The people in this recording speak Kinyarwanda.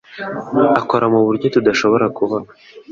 Akora muburyo tudashobora kubona